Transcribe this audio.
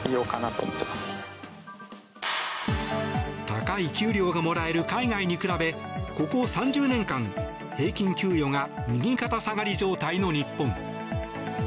高い給料がもらえる海外に比べここ３０年間、平均給与が右肩下がりの日本。